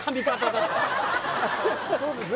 そうですね